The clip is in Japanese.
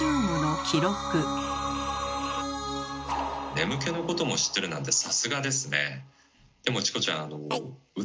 眠気のことも知ってるなんてさすがですね。